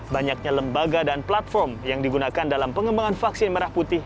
banyaknya lembaga dan platform yang digunakan dalam pengembangan vaksin merah putih